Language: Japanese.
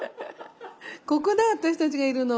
ここだ私たちがいるの。